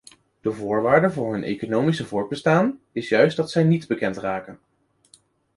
De voorwaarde voor hun economische voortbestaan is juist dat zij niet bekend raken.